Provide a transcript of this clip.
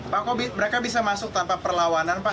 pak kobi mereka bisa masuk tanpa perlawanan pak